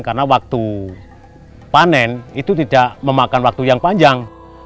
karena waktu panen itu tidak memakan waktu yang panjang